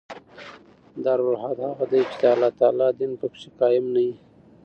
دارالعهد هغه دئ، چي د الله تعالی دین په کښي قایم نه يي.